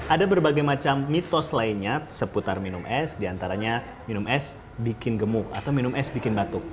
ada berbagai macam mitos lainnya seputar minum es diantaranya minum es bikin gemuk atau minum es bikin batuk